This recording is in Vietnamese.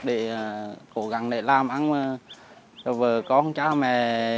để cố gắng để làm ăn cho vợ con cha mẹ